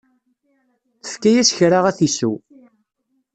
Tefka-as kra ad t-isew.